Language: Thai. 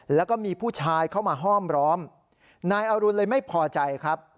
แล้วก็มีผู้ชายเข้ามาห้อมร้อมนายอรุณเลยไม่พอใจครับ